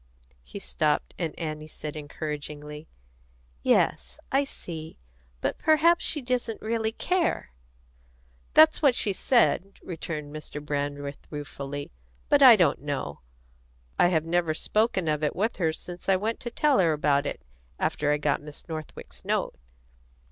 He stopped, and Annie said encouragingly: "Yes, I see. But perhaps she doesn't really care." "That's what she said," returned Mr. Brandreth ruefully. "But I don't know. I have never spoken of it with her since I went to tell her about it, after I got Miss Northwick's note."